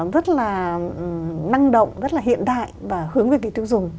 rất là năng động rất là hiện đại và hướng về thị tiêu dùng